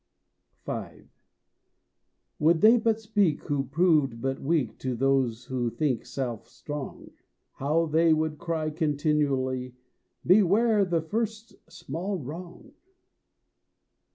V. Would they but speak who proved but weak To those who think self strong, How they would cry, continually, "Beware the first small wrong!"